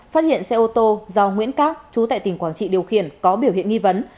phát hiện xe ô tô do nguyễn cát trú tại tỉnh quảng trị điều khiển có biểu hiện nghi vấn